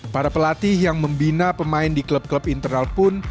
para pelatih yang membina pemain di klub klub internal pun